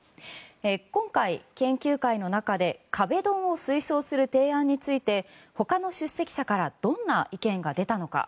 今回、研究会の中で壁ドンを推奨する提案についてほかの出席者からどんな意見が出たのか。